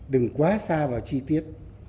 đừng quá xa vào chi tiết